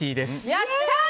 やったー！